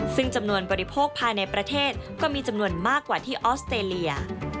ซึ่งจำนวนบริโภคภายในประเทศก็มีจำนวนมากกว่าที่ออสเตรเลีย